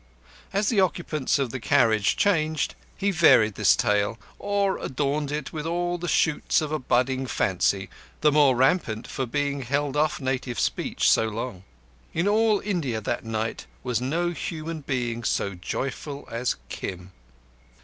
As the occupants of the carriage changed, he varied this tale, or adorned it with all the shoots of a budding fancy, the more rampant for being held off native speech so long. In all India that night was no human being so joyful as Kim.